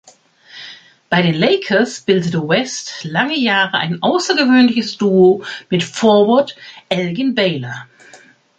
Bei den Lakers bildete West lange Jahre ein außergewöhnliches Duo mit Forward Elgin Baylor.